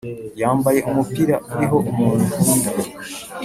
Yambaye umupira uriho umuntu nkunda